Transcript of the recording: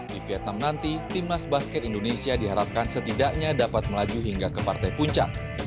di vietnam nanti timnas basket indonesia diharapkan setidaknya dapat melaju hingga ke partai puncak